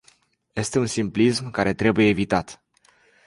Este un simplism care trebuie evitat.